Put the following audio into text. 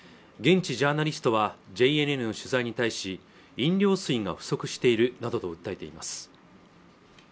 現地ジャーナリストはＪＮＮの取材に対し飲料水が不足しているなどと訴えています